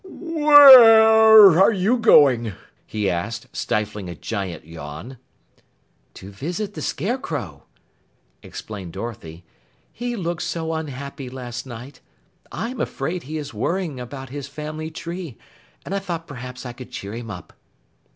"Where are you going?" he asked, stifling a giant yawn. "To visit the Scarecrow," explained Dorothy. "He looked so unhappy last night. I am afraid he is worrying about his family tree, and I thought p'raps I could cheer him up."